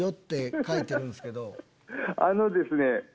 あのですね